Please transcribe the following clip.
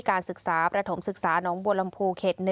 การศึกษาประถมศึกษาน้องบัวลำพูเขต๑